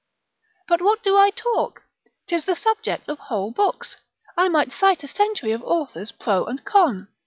But what do I talk? 'tis the subject of whole books; I might cite a century of authors pro and con.